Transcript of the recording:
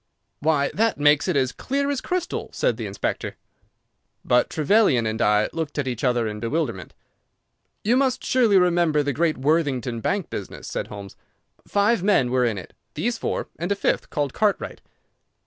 "Why, that makes it as clear as crystal," said the inspector. But Trevelyan and I looked at each other in bewilderment. "You must surely remember the great Worthingdon bank business," said Holmes. "Five men were in it—these four and a fifth called Cartwright.